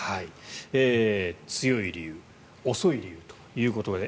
強い理由遅い理由ということで。